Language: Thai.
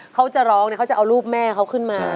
เขาจะร้องเนี่ยเขาจะเอารูปแม่เขาขึ้นมา